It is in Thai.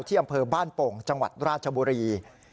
อำเภอบ้านโป่งจังหวัดราชบุรี